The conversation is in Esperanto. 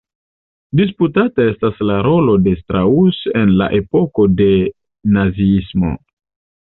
Disputata estas la rolo de Strauss en la epoko de naziismo.